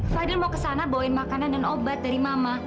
fadil mau kesana bawain makanan dan obat dari mama